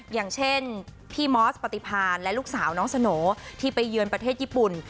อย่างเช่นพี่มอสปฏิพานและลูกสาวน้องสโหน่ที่ไปเยือนประเทศญี่ปุ่น